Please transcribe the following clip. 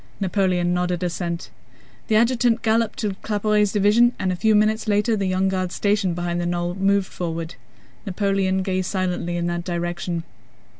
Napoleon nodded assent. The adjutant galloped to Claparède's division and a few minutes later the Young Guards stationed behind the knoll moved forward. Napoleon gazed silently in that direction.